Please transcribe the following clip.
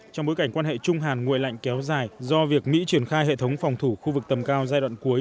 trong bối cảnh quan hệ trung hàn nguội lạnh kéo dài do việc mỹ triển khai hệ thống phòng thủ khu vực tầm cao giai đoạn cuối